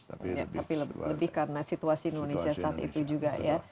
tapi lebih karena situasi indonesia saat itu juga ya